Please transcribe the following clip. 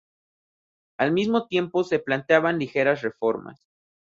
Al mismo tiempo se planteaban ligeras reformas.